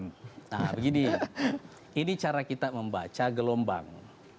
nah begini ini cara kita membaca gelombang